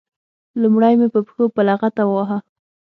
لومړی مې په پښو په لغته وواهه.